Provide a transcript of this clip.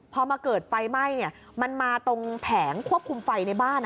พอมาเกิดไฟไหม้มันมาตรงแผงควบคุมไฟในบ้าน